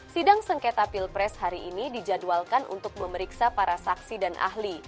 sidang sengketa pilpres hari ini dijadwalkan untuk memeriksa para saksi dan ahli